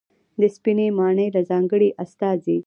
د سپینې ماڼۍ له ځانګړې استازي